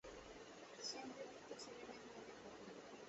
সেনদিদির তো ছেলেমেয়ে হয় নাই কখনো।